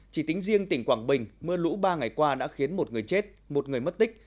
chỉ tính riêng tỉnh quảng bình mưa lũ ba ngày qua đã khiến một người chết một người mất tích